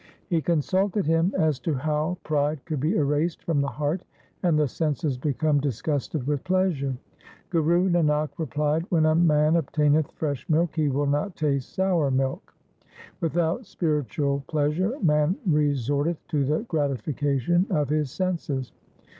He consulted him as to how pride could be erased from the heart, and the senses become disgusted with pleasure. Guru Nanak replied, ' When a man obtaineth fresh milk he will not taste sour milk. Without spiritual pleasure man resorteth to the gratification of his senses.